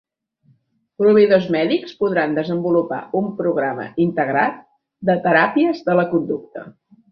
Proveïdors mèdics podran desenvolupar un programa integrat de teràpies de la conducta.